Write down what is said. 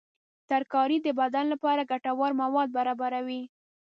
ترکاري د بدن لپاره ګټور مواد برابروي.